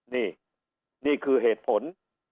นี่นี่คือเหตุผล